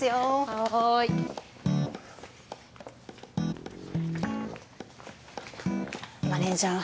はいマネージャー